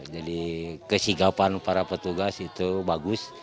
jadi kesikapan para petugas itu bagus